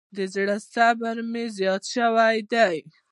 د زړه ضربان مې زیات شوئ دی.